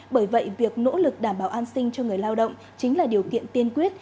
bởi vậy việc nỗ lực đảm bảo an sinh cho người lao động chính là điều kiện tiên quyết